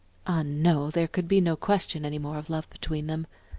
Ah, no, there could be no question any more of love between them.